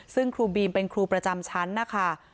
ซึ่งครูบีมเป็นครูประจำชั้นนะคะ